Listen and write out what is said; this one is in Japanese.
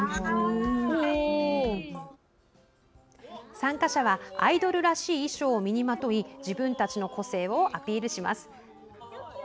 参加者はアイドルらしい衣装を身にまとい自分たちの個性をアピールします。